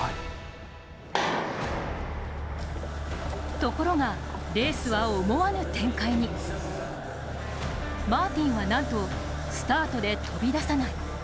ところが、レースは思わぬ展開にマーティンはなんと、スタートで飛び出さない。